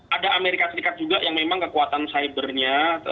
ada amerika serikat juga yang memang kekuatan cybernya